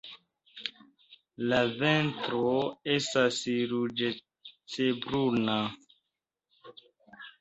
La ventro estas ruĝecbruna.